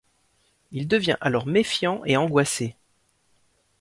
Il devient alors méfiant et angoissé.